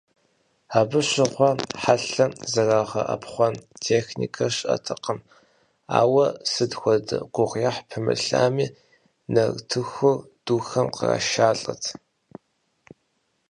Абы щыгъуэ хьэлъэ зэрагъэӏэпхъуэн техникэ щыӏэтэкъым, ауэ, сыт хуэдэ гугъуехь пымылъами, нартыхур духэм кърашалӏэрт.